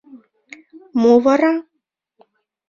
— Мо "вара"?